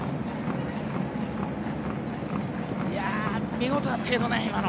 見事だったけどね、今の。